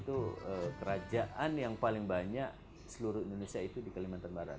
itu kerajaan yang paling banyak seluruh indonesia itu di kalimantan barat